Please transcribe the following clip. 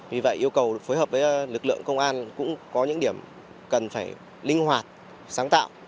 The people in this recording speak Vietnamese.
vì vậy yêu cầu phối hợp với lực lượng công an cũng có những điểm cần phải linh hoạt sáng tạo